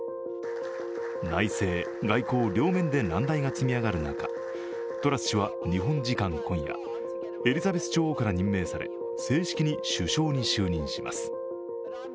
内政、外交両面で難題が積み上がる中、トラス氏は日本時間今夜、エリザベス女王から任命され正式に首相に就任します。